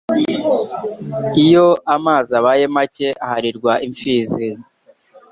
Iyo amazi abaye make aharirwa impfizi